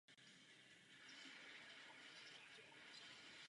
Leží jen několik málo kilometrů od polské a slovenské hranice.